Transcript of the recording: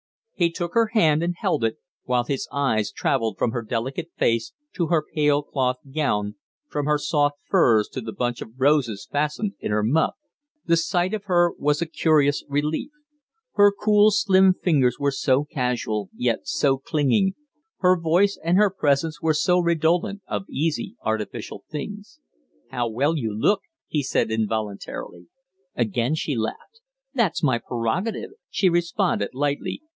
He took her hand and held it, while his eyes travelled from her delicate face to her pale cloth gown, from her soft furs to the bunch of roses fastened in her muff, The sight of her was a curious relief. Her cool, slim fingers were so casual, yet so clinging, her voice and her presence were so redolent of easy, artificial things. "How well you look!" he said, involuntarily. Again she laughed. "That's my prerogative," she responded, lightly.